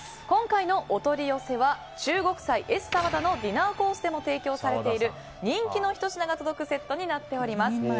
今回のお取り寄せは中国菜エスサワダのディナーコースでも提供されてる人気のひと品が届くセットになっております。